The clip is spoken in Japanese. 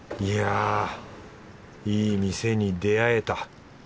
いやいい店に出会えた。